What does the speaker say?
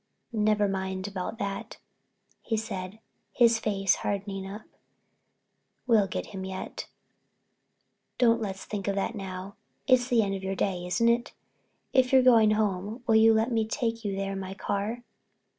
"Never mind about that," said he, his face hardening up, "we'll get him yet. Don't let's think of that now. It's the end of your day, isn't it? If you're going home will you let me take you there in my car?"